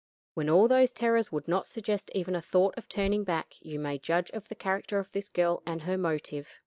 When all those terrors would not suggest even a thought of turning back, you may judge of the character of this girl and her motive.